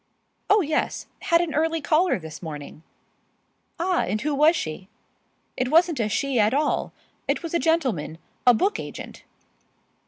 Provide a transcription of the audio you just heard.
"Oh, yes! had an early caller this morning." "Ah, and who was she?" "It wasn't a 'she' at all; it was a gentleman, a book agent."